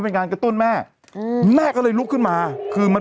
เป็นการกระตุ้นการไหลเวียนของเลือด